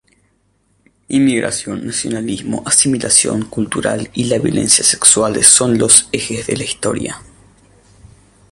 Inmigración, nacionalismo, asimilación cultural y la violencia sexual son los ejes de la historia.